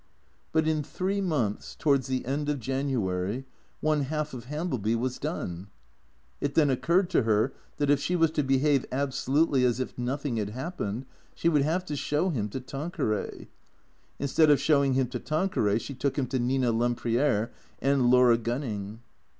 But in three months, towards the end of January, one half of Hambleby was done. It then occurred to her that if she was to behave absolutely as if nothing had happened she would have to show him to Tanqueray. Instead of showing him to Tanqueray she took him to Nina Lempriere and Laura Gun ning.